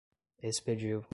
expediu